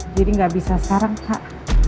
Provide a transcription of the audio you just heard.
jadi gak bisa sekarang pak